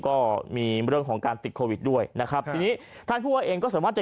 ก็มีเรื่องของการติดโควิดด้วยนะครับทีนี้ท่านผู้ว่าเองก็สามารถจะ